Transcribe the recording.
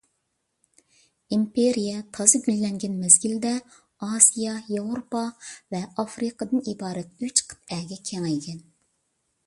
ئىمپېرىيە تازا گۈللەنگەن مەزگىلدە، ئاسىيا، ياۋروپا ۋە ئافرىقىدىن ئىبارەت ئۈچ قىتئەگە كېڭەيگەن.